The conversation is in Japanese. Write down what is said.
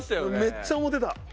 めっちゃ思ってた。